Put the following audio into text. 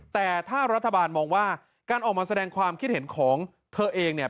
แต่ถ้ารัฐบาลมองว่าการออกมาแสดงความคิดเห็นของเธอเองเนี่ย